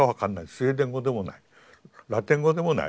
スウェーデン語でもないラテン語でもない。